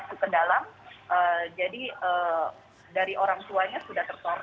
serta untuk anak anak contoh misalnya ada yang tidak menggunakan masker atau apa